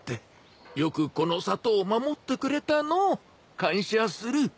よくこの里を守ってくれたのう。感謝する。